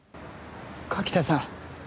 柿田さん。